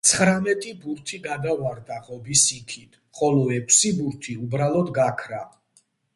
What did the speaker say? ცხრამეტი ბურთი გადავარდა ღობის იქით, ხოლო ექვსი ბურთი უბრალოდ გაქრა.